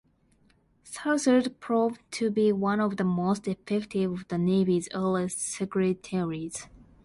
Southard proved to be one of the most effective of the Navy's early Secretaries.